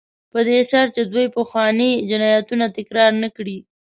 په دې شرط چې دوی پخواني جنایتونه تکرار نه کړي.